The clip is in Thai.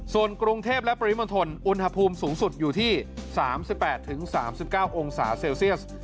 ส่วนกรุงเทพและปริมณฑลอุณหภูมิสูงสุดอยู่ที่๓๘๓๙องศาเซลเซียส